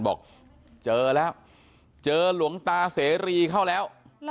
บอกเจอแล้วเจอหลวงตาเสรีเข้าแล้ว